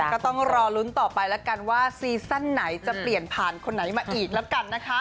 ก็ต้องรอลุ้นต่อไปแล้วกันว่าซีซั่นไหนจะเปลี่ยนผ่านคนไหนมาอีกแล้วกันนะคะ